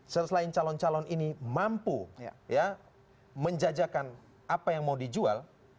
selain calon calon ini mampu menjajakan apa yang mau dijual